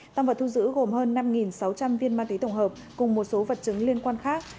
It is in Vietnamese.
tăng vật thu giữ gồm hơn năm sáu trăm linh viên ma túy tổng hợp cùng một số vật chứng liên quan khác